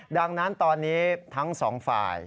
ดังนั้นตอนนี้ทั้งสองฝ่าย